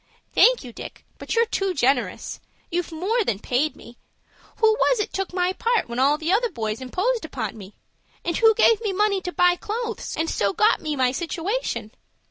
"Thank you, Dick, but you're too generous. You've more than paid me. Who was it took my part when all the other boys imposed upon me? And who gave me money to buy clothes, and so got me my situation?"